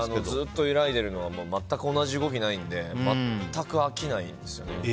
ずっと揺らいでるのが全く同じ動きがないので全く飽きないんですよね。